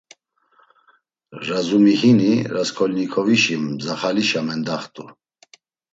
Razumihini, Rasǩolnikovişi mzaxalişa mendaxt̆u.